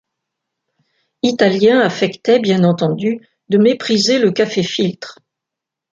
Italien affectait, bien entendu, de mépriser le café filtre.